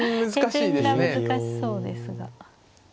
手順が難しそうですが。